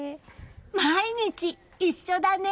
毎日、一緒だね！